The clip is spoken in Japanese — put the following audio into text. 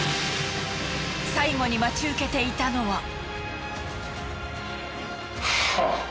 最後に待ち受けていたのは。